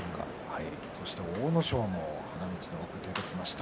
そして阿武咲も花道の奥出てきました。